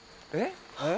えっ？